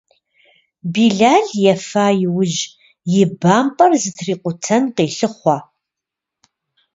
Билал ефа иужь и бампӏэр зытрикъутэн къелъыхъуэ.